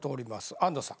安藤さん。